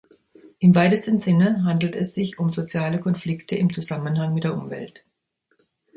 Im weitesten Sinne handelt es sich um soziale Konflikte im Zusammenhang mit der Umwelt.